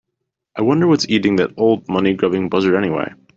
I wonder what's eating that old money grubbing buzzard anyway?